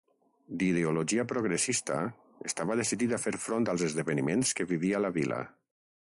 D'ideologia progressista, estava decidit a fer front als esdeveniments que vivia la vila.